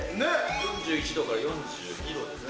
４１度から４２度ですね。